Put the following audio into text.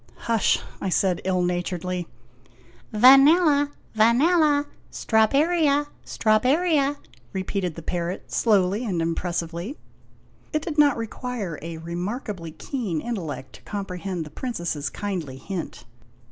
" Hush !' I said ill naturedly. 124 OIAGINOTIONS " Vanella, Vanella ; Strawberria, Strawberria !' repeated the parrot slowly and impressively. It did not require a remarkably keen intellect to comprehend the Princess's kindly hint.